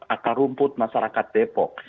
akar rumput masyarakat depok